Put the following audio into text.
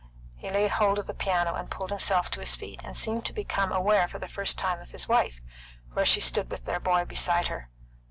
He laid hold of the piano and pulled himself to his feet, and seemed to become aware, for the first time, of his wife, where she stood with their boy beside her.